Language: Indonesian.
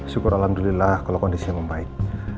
syukur alhamdulillah kalau kondisinya membaik